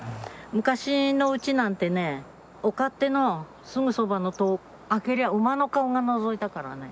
昔の家なんてねお勝手のすぐそばの戸を開けりゃ馬の顔がのぞいたからね。